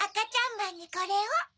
まんにこれを。